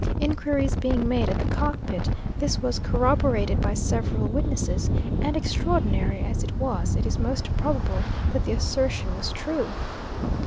Inquiries being made at the cock pit, this was corroborated by several witnesses, and extraordinary as it is, it is most probable that the assertion was true.